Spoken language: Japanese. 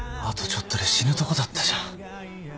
あとちょっとで死ぬとこだったじゃん。